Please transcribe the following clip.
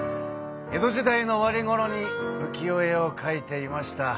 江戸時代の終わりごろに浮世絵を描いていました。